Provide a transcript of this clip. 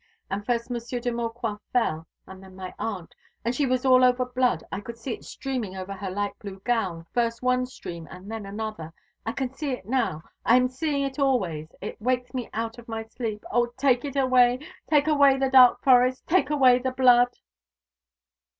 And first Monsieur de Maucroix fell, and then my aunt, and she was all over blood. I could see it streaming over her light blue gown, first one stream and then another. I can see it now. I am seeing it always. It wakes me out of my sleep. O, take it away; take away the dark forest; take away the blood!"